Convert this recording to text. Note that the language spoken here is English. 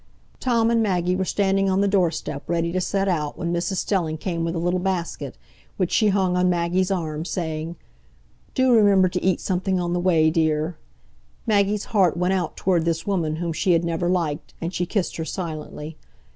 Tom and Maggie were standing on the door step, ready to set out, when Mrs Stelling came with a little basket, which she hung on Maggie's arm, saying: "Do remember to eat something on the way, dear." Maggie's heart went out toward this woman whom she had never liked, and she kissed her silently.